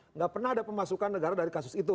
nggak pernah ada pemasukan negara dari kasus itu